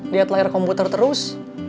liat layar komputer terus